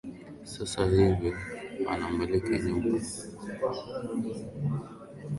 Sasa hivi anamiliki nyumba na aliwanunulia watoto wake boti